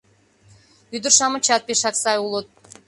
Ӱдыр-шамычат пешак сай улыт